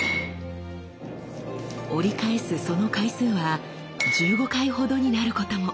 折り返すその回数は１５回ほどになることも。